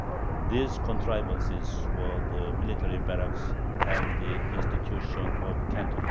These contrivances were the military barracks and the institution of Cantonists.